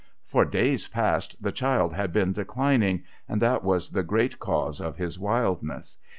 For days past the child had been declining, and that was the great cause of his wildness.